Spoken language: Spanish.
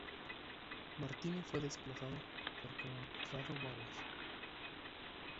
Martini fue desplazado por Conrado Bauer.